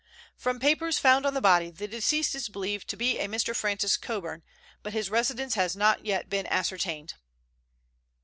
From papers found on the body the deceased is believed to be a Mr. Francis Coburn, but his residence has not yet been ascertained."